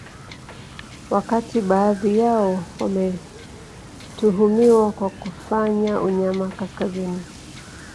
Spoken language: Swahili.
Wakati baadhi yao wametuhumiwa kwa kufanya unyama kaskazini